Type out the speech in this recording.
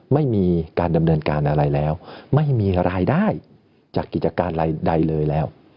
ไม่มีการดำเนินการอะไรแล้วไม่มีรายได้จากกิจการอะไรใดเลยแล้ว